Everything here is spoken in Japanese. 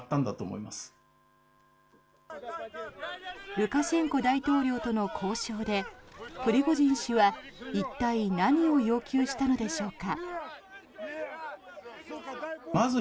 ルカシェンコ大統領との交渉でプリゴジン氏は、一体何を要求したのでしょうか。